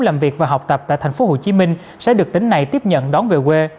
làm việc và học tập tại thành phố hồ chí minh sẽ được tỉnh này tiếp nhận đón về quê